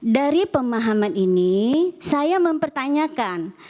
dari pemahaman ini saya mempertanyakan